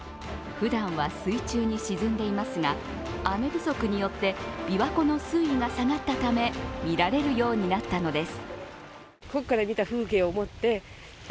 ふだんは水中に沈んでいますが、雨不足によって琵琶湖の水位が下がったため見られるようになったのです。